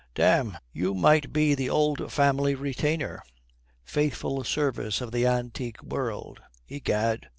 "Damme, you might be the old family retainer. 'Faithful service of the antique world,' egad.